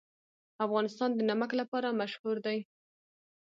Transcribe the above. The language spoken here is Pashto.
افغانستان د نمک لپاره مشهور دی.